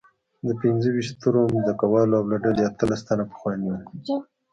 د پنځه ویشت سترو ځمکوالو له ډلې اتلس تنه پخواني وو.